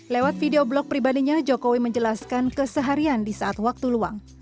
lewat video blog pribadinya jokowi menjelaskan keseharian di saat waktu luang